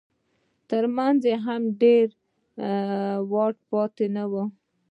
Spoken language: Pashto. تر منځ هم ډېر واټن پاتې نه و.